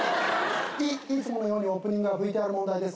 「い」いつものようにオープニングはＶＴＲ問題です。